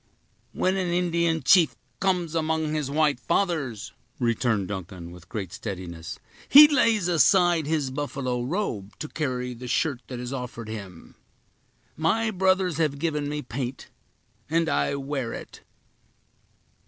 "When an Indian chief comes among his white fathers," returned Duncan, with great steadiness, "he lays aside his buffalo robe, to carry the shirt that is offered him. My brothers have given me paint and I wear it."